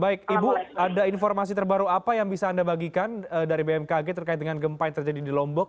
baik ibu ada informasi terbaru apa yang bisa anda bagikan dari bmkg terkait dengan gempa yang terjadi di lombok